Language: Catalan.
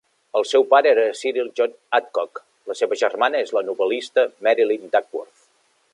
El seu pare era Cyril John Adcock, la seva germana és la novel·lista Marilyn Duckworth.